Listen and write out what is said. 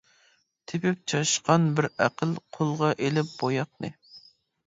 تېپىپ چاشقان بىر ئەقىل، قولغا ئېلىپ بوياقنى.